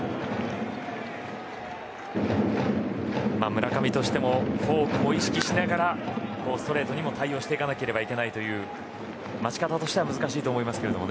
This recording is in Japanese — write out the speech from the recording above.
村上としてもフォークを意識しながらストレートにも対応していかなければいけないという待ち方としては難しいかもしれませんけども。